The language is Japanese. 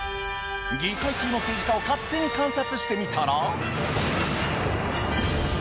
議会中の政治家を勝手に観察してみたら。